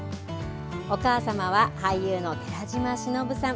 お母様は俳優の寺島しのぶさん。